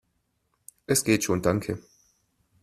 Es geht schon, danke!